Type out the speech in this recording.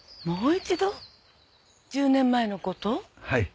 はい。